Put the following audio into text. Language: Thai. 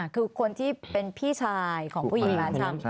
คือคนที่เป็นพี่ชายของผู้หญิงร้านชำ